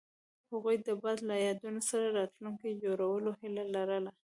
هغوی د باد له یادونو سره راتلونکی جوړولو هیله لرله.